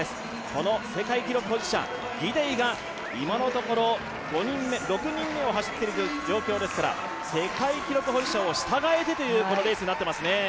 この世界記録保持者、ギデイが今のところ６人目を走っている状況ですから世界記録保持者を従えてというレースになってますね。